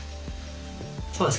そうです。